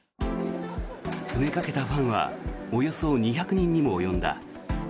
詰めかけたファンはおよそ２００人にも及んだ。